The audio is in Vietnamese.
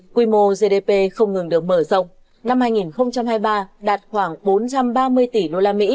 quy mô gdp không ngừng được mở rộng năm hai nghìn hai mươi ba đạt khoảng bốn trăm ba mươi tỷ usd